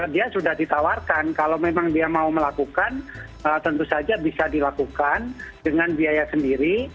dia sudah ditawarkan kalau memang dia mau melakukan tentu saja bisa dilakukan dengan biaya sendiri